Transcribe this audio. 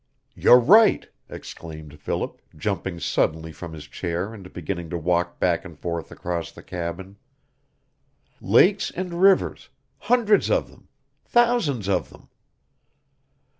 "You're right," exclaimed Philip, jumping suddenly from his chair and beginning to walk back and forth across the cabin. "Lakes and rivers hundreds of them thousands of them!